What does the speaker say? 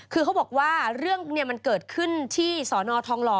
คือเขาบอกว่าเรื่องมันเกิดขึ้นที่สอนอทองหล่อ